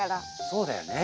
そうだよね。